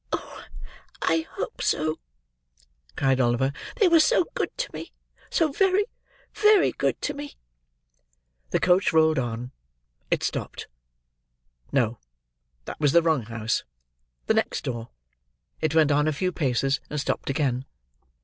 "Oh! I hope so!" cried Oliver. "They were so good to me; so very, very good to me." The coach rolled on. It stopped. No; that was the wrong house; the next door. It went on a few paces, and stopped again.